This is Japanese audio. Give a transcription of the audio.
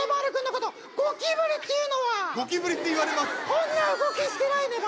こんな動きしてないねば。